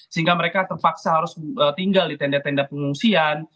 sehingga mereka terpaksa harus tinggal di tenda tenda pengungsian